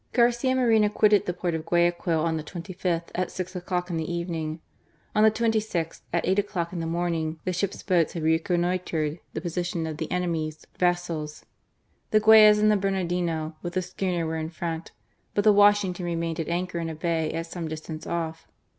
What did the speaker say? Garcia Moreno quitted the port of Guayaquil on the 25th, at six o'clock in the evening. On the 26th, at eight o'clock in the morning, the ship's boats had reconnoitred the position of the enemy's vessels. The Guayas and the Bernardino with the schooner were in front ; but the Washington remained at anchor in a bay at some distance off.